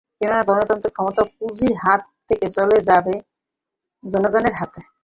কেননা গণতন্ত্র এলে ক্ষমতা পুঁজির হাত থেকে চলে যাবে জনগণের হাতে।